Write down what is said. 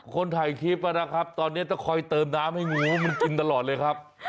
คนถ่ายคลิปนะครับตอนนี้ต้องคอยเติมน้ำให้งูมันกินตลอดเลยครับ